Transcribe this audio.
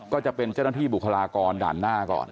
ก็จะเป็นเจ้าหน้าที่บุคลากรด่านหน้าก่อน